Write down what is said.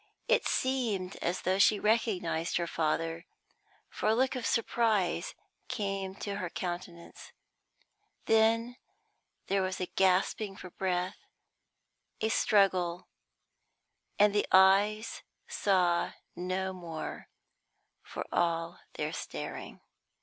It seemed as though she recognised her father, for a look of surprise came to her countenance. Then there was a gasping for breath, a struggle, and the eyes saw no more, for all their staring.